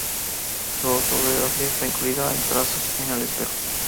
Su autobiografía está incluida en" Trazos en el espejo.